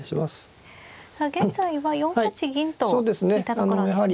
さあ現在は４八銀と引いたところですね。